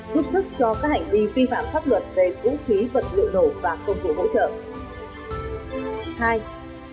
giúp sức cho các hành vi vi phạm pháp luật về vũ khí vật liệu nổ và công cụ hỗ trợ